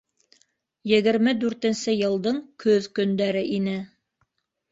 Егерме дүртенсе йылдың көҙ көндәре ине.